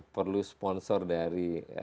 perlu sponsor dari